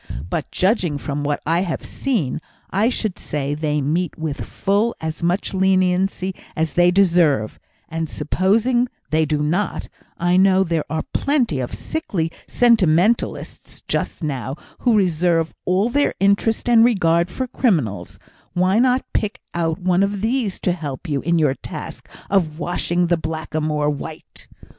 But, judging from what I have seen, I should say they meet with full as much leniency as they deserve; and supposing they do not I know there are plenty of sickly sentimentalists just now who reserve all their interest and regard for criminals why not pick out one of these to help you in your task of washing the blackamoor white?